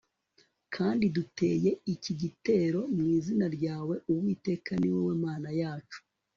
kandi duteye iki gitero mu izina ryawe Uwiteka ni wowe Mana yacu